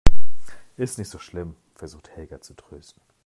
Ist nicht so schlimm, versucht Helga zu trösten.